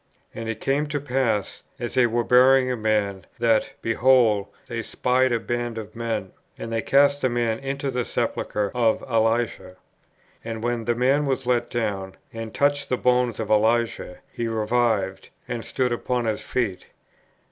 And it came to pass, as they were burying a man, that, behold, they spied a band of men; and they cast the man into the sepulchre of Elisha. And, when the man was let down, and touched the bones of Elisha, he revived, and stood upon his feet."